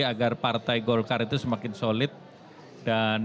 agar partai golkar itu semakin solid dan